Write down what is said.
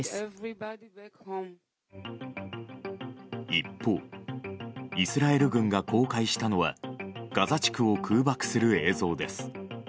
一方、イスラエル軍が公開したのはガザ地区を空爆する映像です。